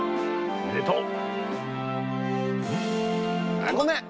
あっごめん！